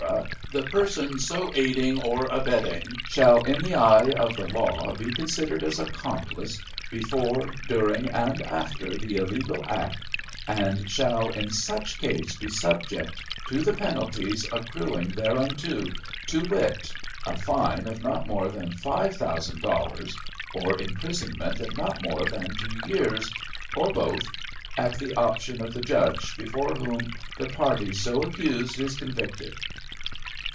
the person so aiding or abetting, shall in the eye of the law be considered as accomplice before, during and after the illegal act, and shall in such case be subject to the penalties accruing thereunto, to wit—a fine of not more than five thousand dollars, or imprisonment of not more than two years—or both at the option of the judge before whom the party so accused is convicted."